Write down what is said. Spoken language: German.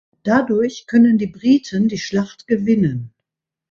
Dadurch können die Briten die Schlacht gewinnen.